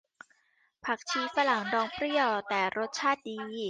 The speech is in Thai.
ผักชีฝรั่งดองเปรี้ยวแต่รสชาติดี